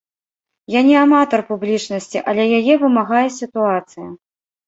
Я не аматар публічнасці, але яе вымагае сітуацыя.